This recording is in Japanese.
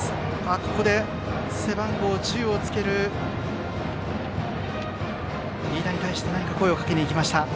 ここで背番号１０をつける飯田に対して何か声をかけにいきました。